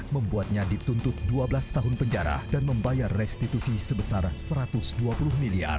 membuatnya dituntut dua belas tahun penjara dan membayar restitusi sebesar rp satu ratus dua puluh miliar